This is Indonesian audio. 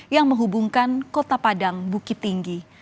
yang menghubungkan kota padang bukit tinggi